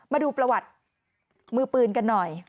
มาดูประวัติมือปืนกันหน่อย